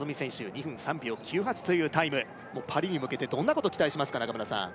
２分３秒９８というタイムパリに向けてどんなこと期待しますか中村さん